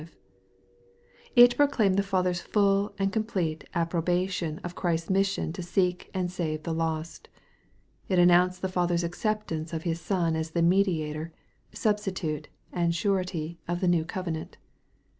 It proclaimed the Father's full and complete approbation of Christ's mission to seek and save the lost. It announced the .Father's acceptance of the Son as the Mediator, Substi tute, and Surety of the new covenant.